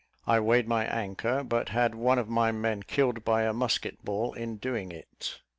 I weighed my anchor, but had one of my men killed by a musket ball in doing it.